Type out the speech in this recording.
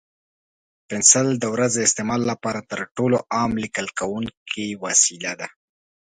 پنسل د ورځني استعمال لپاره تر ټولو عام لیکل کوونکی وسیله ده.